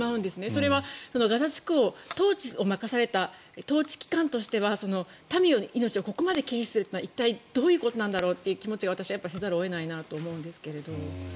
それはガザ地区の統治を任された統治機関としては民の命をここまで切り捨てるのは一体どういうことなんだろうという気持ちはせざるを得ないなという気持ちなんですが。